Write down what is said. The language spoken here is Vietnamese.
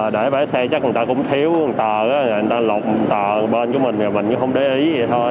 để bái xe chắc người ta cũng thiếu một tờ người ta lột một tờ bên của mình mình cũng không để ý vậy thôi